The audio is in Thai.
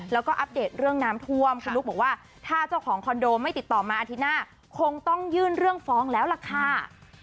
แล้วก็อัปเดตเรื่องน้ำท่วมคุณนุ๊กบอกว่าถ้าเจ้าของคอนโดไม่ติดต่อมาอาทิตย์หน้าคงต้องยื่นเรื่องฟ้องแล้วล่ะค่ะ